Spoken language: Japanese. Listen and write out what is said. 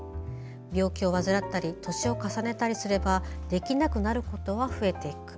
病気を患ったり年を重ねたりすればできなくなることは増えていく。